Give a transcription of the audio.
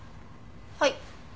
はい。